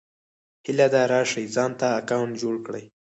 هيله ده راشٸ ځانته اکونټ جوړ کړى